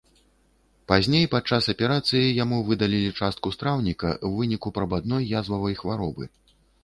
Пазней падчас аперацыі яму выдалілі частку страўніка ў выніку прабадной язвавай хваробы.